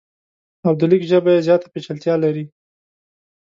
او د لیک ژبه یې زیاته پیچلتیا لري.